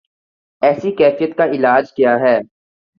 ایسی کیفیت کا علاج کیا ہے؟